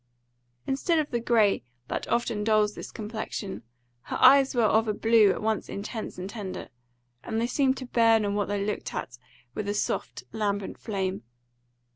Instead of the grey that often dulls this complexion, her eyes were of a blue at once intense and tender, and they seemed to burn on what they looked at with a soft, lambent flame.